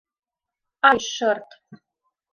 — Ай, шырт!